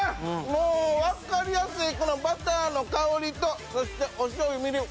もうわかりやすいこのバターの香りとそしておしょう油みりん。